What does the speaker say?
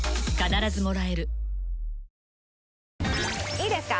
いいですか？